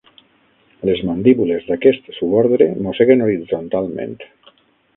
Les mandíbules d'aquest subordre mosseguen horitzontalment.